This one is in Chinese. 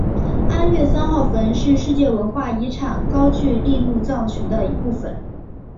安岳三号坟是世界文化遗产高句丽墓葬群的一部份。